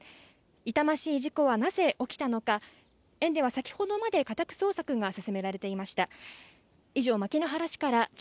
痛ましい事故はなぜ起きたのか園では先ほどまで家宅捜索が進められていました。